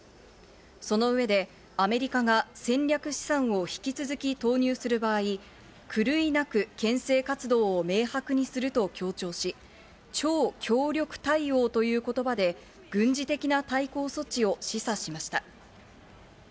その上で、アメリカが戦略資産を引き続き投入する場合、狂いなくけん制活動を明白にすると強調し、超強力対応という言葉で軍事的な対抗措置を示唆しました。